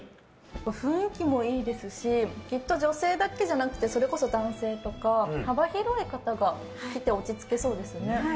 雰囲気もいいですしきっと女性だけじゃなくてそれこそ男性とか幅広い方が来て落ち着けそうですね。